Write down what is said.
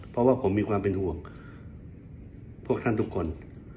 เพราะว่าผมมีความเป็นห่วงพวกท่านทุกคน